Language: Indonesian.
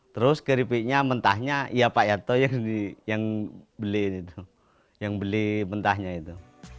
terus kripiknya mentahnya ya pak yanto yang beli mentahnya itu